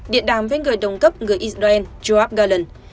điện đàm với người đồng cấp người israel joab galan